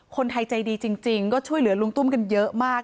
คนไทยใจดีจริงก็ช่วยเหลือลุงตุ้มกันเยอะมาก